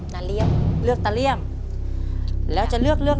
น่าเลี่ยง